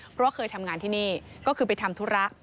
เพราะว่าเคยทำงานที่นี่ก็คือไปทำธุระ